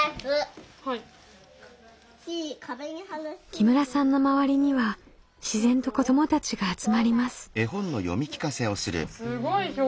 木村さんの周りには自然と子どもたちが集まります。